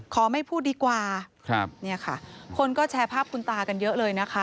ไม่พูดดีกว่าครับเนี่ยค่ะคนก็แชร์ภาพคุณตากันเยอะเลยนะคะ